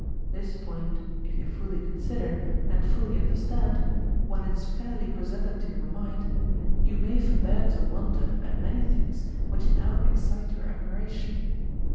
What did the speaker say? This point if you fully consider, and fully understand, when it is fairly presented to your mind^ you may forbear to wonder at many things which now excite your admiration.